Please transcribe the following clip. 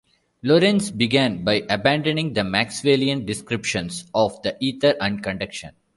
Lorentz began by abandoning the Maxwellian descriptions of the ether and conduction.